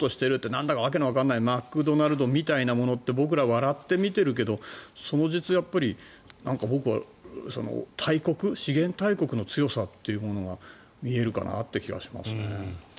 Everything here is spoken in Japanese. なんだか訳のわからないマクドナルドみたいなものって僕らは笑ってみているけれどその実、僕は大国資源大国の強さというものが見えるかなという気がしますね。